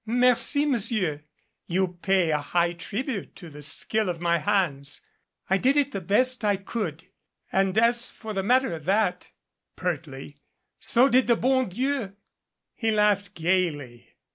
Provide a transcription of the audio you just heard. "Merci, Monsieur. You pay a high tribute to the skill of my hands. I did the best I could and as for the matter of that," pertly, "so did the bon Dieu." He laughed gaily.